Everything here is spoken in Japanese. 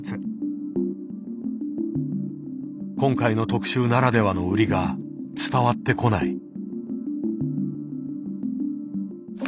今回の特集ならではの売りが伝わってこない。